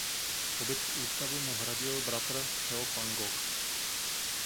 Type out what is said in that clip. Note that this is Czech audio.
Pobyt v ústavu mu hradil bratr Theo van Gogh.